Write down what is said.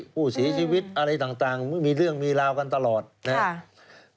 ภูมิศีชีวิตอะไรต่างมีเรื่องมีล่าวกันตลอดนะฮะ